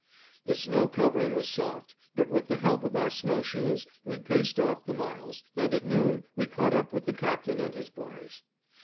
The snow covering was soft, but with the help of our snow shoes we paced off the miles, and at noon we caught up with the Captain and his boys.